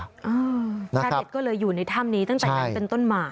ชาวเน็ตก็เลยอยู่ในถ้ำนี้ตั้งแต่นั้นเป็นต้นมา